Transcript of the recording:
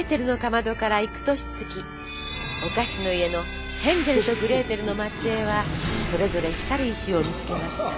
お菓子の家のヘンゼルとグレーテルの末えいはそれぞれ光る石を見つけました。